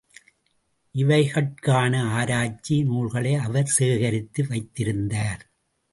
இவைகட்கான ஆராய்ச்சி நூல்களை அவர் சேகரித்து வைத்திருந்தார்.